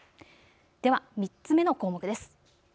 では３つ目の項目です。